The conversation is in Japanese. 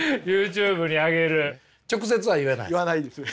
直接は言えないですか？